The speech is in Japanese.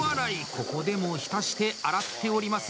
ここでも浸して洗っております。